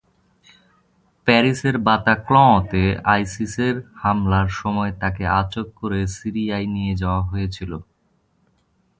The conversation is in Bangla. প্যারিসের বাতাক্লঁতে আইসিসের হামলার সময় তাঁকে আটক করে সিরিয়ায় নিয়ে যাওয়া হয়েছিল।